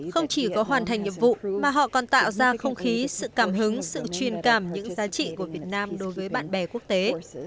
không chỉ có hoàn thành nhiệm vụ mà họ còn tạo ra không khí sự cảm hứng sự truyền cảm những giá trị của việt nam đối với bạn bè quốc tế